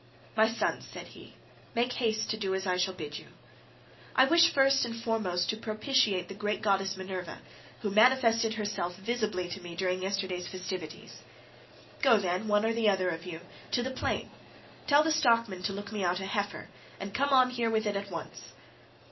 "My sons," said he, "make haste to do as I shall bid you. I wish first and foremost to propitiate the great goddess Minerva, who manifested herself visibly to me during yesterday's festivities. Go, then, one or other of you to the plain, tell the stockman to look me out a heifer, and come on here with it at once.